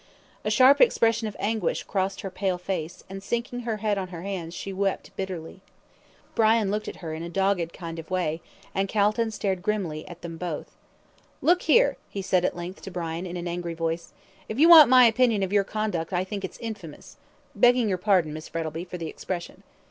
A sharp expression of anguish crossed her pale face, and, sinking her head on her hands, she wept bitterly. Brian looked at her in a dogged kind of way, and Calton stared grimly at them both. "Look here," he said, at length, to Brian, in an angry voice; "if you want my opinion of your conduct I think it's infamous begging your pardon, Miss Frettlby, for the expression.